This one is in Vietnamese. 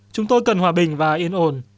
chúng tôi cần hòa bình và yên ổn